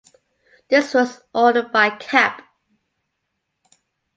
This was ordered by cap.